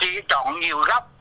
chỉ chọn nhiều góc